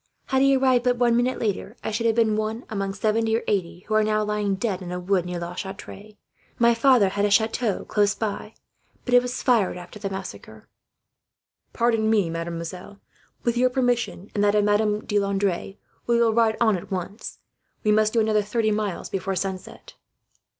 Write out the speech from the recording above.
Had he arrived but one minute later, I should be one among seventy or eighty who are now lying dead in a wood, near La Chatre. My father had a chateau close by, but it was fired after the massacre." "And now, mademoiselle, with your permission, and that of Madame de Landres, we will ride on at once. We must do another thirty miles before sunset."